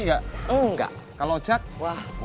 era panggilnya bangur